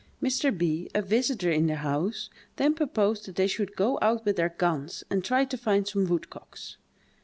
Mr. B——, a visiter in the house, then proposed that they should go out with their guns and try to find some woodcocks.